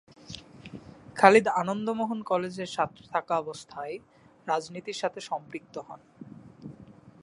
খালিদ আনন্দ মোহন কলেজের ছাত্র থাকাবস্থায় রাজনীতির সাথে সম্পৃক্ত হন।